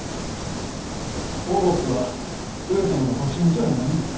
大奥は上様のご寝所やないんですか。